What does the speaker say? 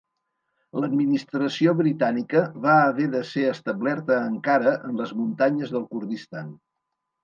L'administració britànica va haver de ser establerta encara en les muntanyes del Kurdistan.